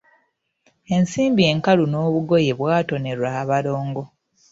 Ensimbi enkalu n'obugoye byatonerwa abalongo.